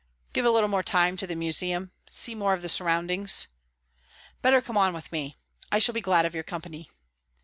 "Give a little more time to the museum, and see more of the surroundings." "Better come on with me. I shall be glad of your company."